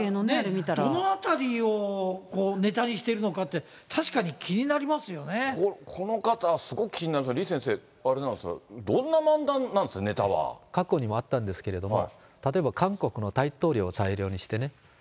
どのあたりをネタにしているのかって、この方すごく気になるんですが、李先生、あれなんですか、どんな漫談なんですか、過去にもあったんですけれども、例えば韓国の大統領を材料にして。